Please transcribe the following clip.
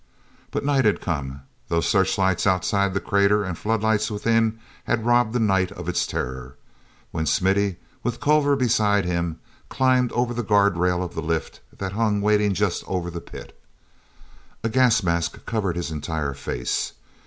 But night had come, though searchlights outside the crater and floodlights within had robbed the night of its terror, when Smithy, with Culver beside him, climbed over the guard rail of the lift that hung waiting just over the pit. A gas mask covered his entire face.